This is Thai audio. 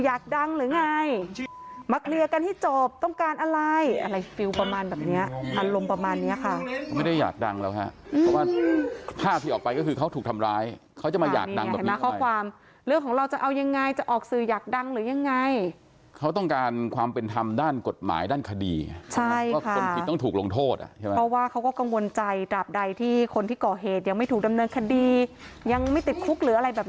อยากดังหรือไงมาเคลียร์กันที่จบต้องการอะไรอะไรฟิวประมาณแบบเนี้ยอารมณ์ประมาณเนี้ยค่ะไม่ได้อยากดังแล้วฮะเพราะว่าภาพที่ออกไปก็คือเขาถูกทำร้ายเขาจะมาอยากดังแบบนี้เลยเห็นไหมข้อความเรื่องของเราจะเอายังไงจะออกสื่ออยากดังหรือยังไงเขาต้องการความเป็นธรรมด้านกฎหมายด้านคดีใช่ค่ะก็คนผิดต้องถูกลงโทษ